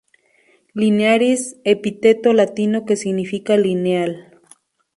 Linearis: epíteto latino que significa "lineal".